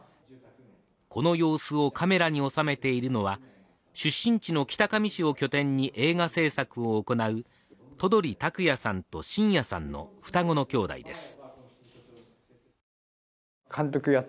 この様子をカメラに収めているのは出身地の北上市を拠点に映画製作を行う都鳥拓也さんと伸也さんの双子の兄弟です。